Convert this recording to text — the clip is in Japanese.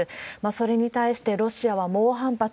それに対してロシアは猛反発。